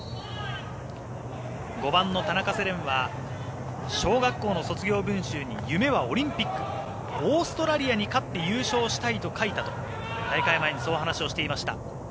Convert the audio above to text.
５番の田中世蓮は小学校の卒業文集に夢はオリンピックオーストラリアに勝って優勝したいと書いたと大会前にそう話をしていました。